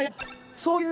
そうそう。